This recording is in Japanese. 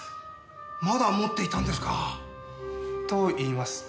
まだ持っていたんですか！と言いますと？